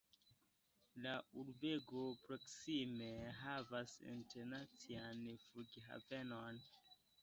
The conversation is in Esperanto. La urbego proksime havas internacian flughavenon.